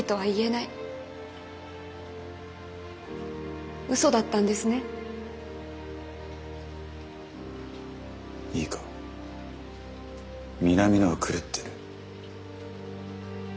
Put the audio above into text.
いいか南野は狂ってる。